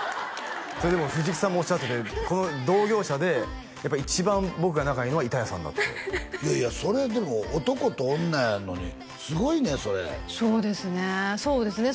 それでも藤木さんもおっしゃってて「この同業者でやっぱ一番僕が仲いいのは板谷さんだ」っていやいやそれでも男と女やのにすごいねそれそうですね